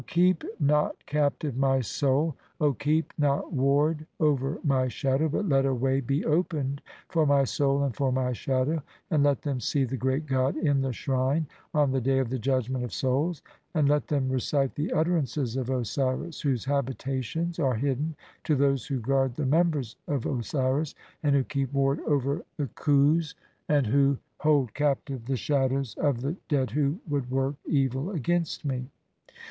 LXXXIX "0 keep not captive my soul, keep not ward over "my shadow, but let a way be opened for my soul "and for my shadow, and let them see the Great "God in the shrine on the day of the judgment of "souls, and let them recite the utterances of Osiris, "whose habitations are hidden, to those who guard "the members of Osiris, and who keep ward over the "khus, and who hold captive the shadows of the dead "who would work evil against me" (see p.